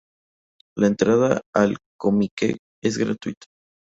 La entrada al Comiket es gratuita.